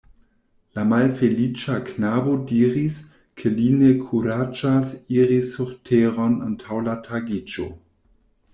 La malfeliĉa knabo diris, ke li ne kuraĝas iri surteron antaŭ la tagiĝo.